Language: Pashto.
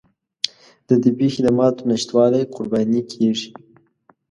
د طبي خدماتو نشتوالي قرباني کېږي.